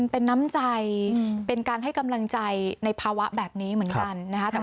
เป็นน้ำใจเป็นการให้กำลังใจในภาวะแบบนี้เหมือนกันนะคะ